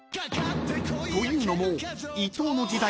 ［というのも］